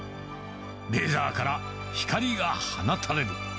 レーザーから光が放たれる。